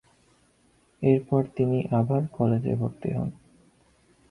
এরপর তিনি আবার কলেজে ভর্তি হন।